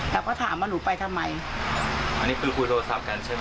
แล้วก็ถามว่าหนูไปทำไมอันนี้คือคุยโทรศัพท์กันใช่ไหม